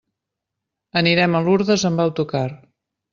Anirem a Lurdes amb autocar.